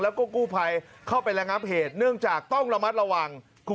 แล้วก็กู้ภัยเข้าไประงับเหตุเนื่องจากต้องระมัดระวัง